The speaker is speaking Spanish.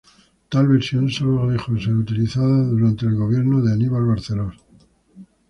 Tal versión sólo dejó de ser utilizada durante el gobierno de Aníbal Barcelos.